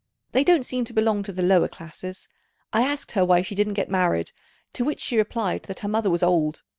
They don't seem to belong to the lower classes. I asked her why she didn't get married, to which she replied that her mother was old.